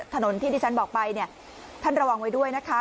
ถนนที่ที่ฉันบอกไปเนี่ยท่านระวังไว้ด้วยนะคะ